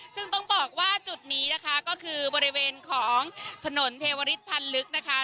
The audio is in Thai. ซึ่งต้องบอกว่าจุดนี้นะคะก็คือบริเวณของถนนเทวริสพันธ์ลึกนะคะ